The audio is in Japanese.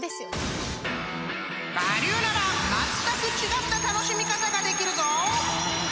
［我流ならまったく違った楽しみ方ができるぞ！］